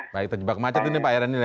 baik terjebak macet ini pak ya daniel